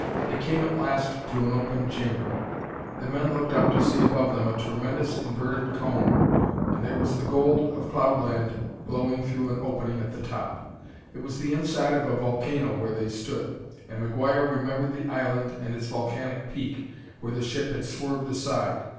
They came at last to an open chamber. The men looked up to see above them a tremendous inverted cone, and there was the gold of cloudland glowing through an opening at the top. It was the inside of a volcano where they stood, and McGuire remembered the island and its volcanic peak where the ship had swerved aside.